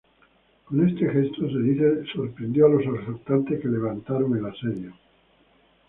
Con este gesto, se dice, sorprendió a los asaltantes, que levantaron el asedio.